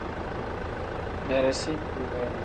Beresi.